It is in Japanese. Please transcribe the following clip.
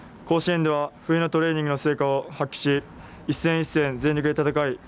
甲子園では冬のトレーニングの成果を発揮し一戦一戦、全力で戦い